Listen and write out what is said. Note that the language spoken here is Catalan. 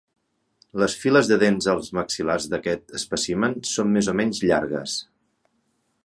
Les files de dents als maxil·lars d'aquest espècimen són més o menys llargues.